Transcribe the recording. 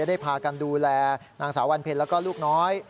ได้พากันดูแลนางสาววันเพ็ญแล้วก็ลูกน้อย